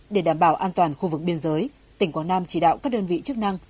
để đảm bảo an toàn khu vực biên giới tỉnh quảng nam chỉ đạo các đơn vị chức năng